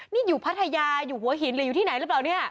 นี่อยู่พัทยาอยู่หัวหินหรืออยู่ที่ไหนหรือเปล่าเนี่ย